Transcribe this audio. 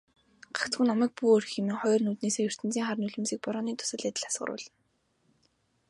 "Гагцхүү намайг бүү орхи" хэмээн хоёр нүднээсээ ертөнцийн хар нулимсыг борооны дусал адил асгаруулна.